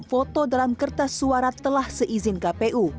foto dalam kertas suara telah seizin kpu